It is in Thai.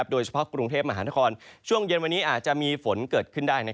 โดยเฉพาะกรุงเทพมหานครช่วงเย็นวันนี้อาจจะมีฝนเกิดขึ้นได้